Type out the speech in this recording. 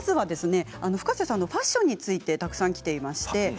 Ｆｕｋａｓｅさんのファッションについてたくさんきています。